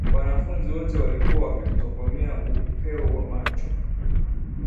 Wanafunzi wote walikuwa wametokomea upeo wa macho